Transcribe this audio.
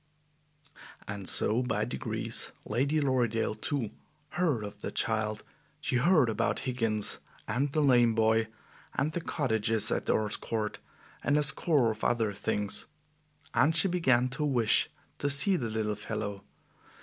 And so by degrees Lady Lorridaile, too, heard of the child; she heard about Higgins and the lame boy, and the cottages at Earl's Court, and a score of other things, and she began to wish to see the little fellow.